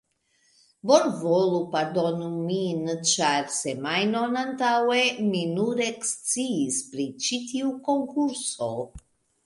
Bonvolu pardoni min ĉar semajnon antaŭe, mi nur eksciis pri ĉi tiu konkurso